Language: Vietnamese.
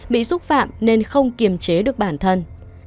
bị xúc phạm nên không kiềm chế được bản thân